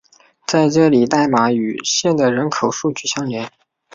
在这里代码与县的人口数据相连。